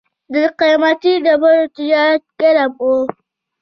د قیمتي ډبرو تجارت ګرم و